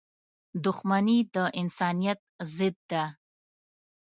• دښمني د انسانیت ضد ده.